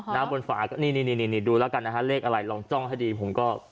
น้ำบนขมากน่ารักก็นีดูละกันเลขอะไรลองจ้องให้ดีผมก็